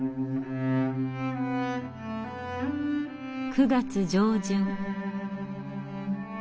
９月上旬。